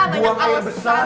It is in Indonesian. buang air besar